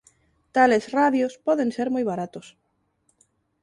Tales radios poden ser moi baratos.